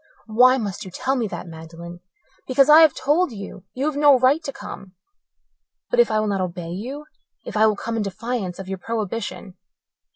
"Why must you tell me that, Magdalen?" "Because, as I have told you, you have no right to come." "But if I will not obey you? If I will come in defiance of your prohibition?"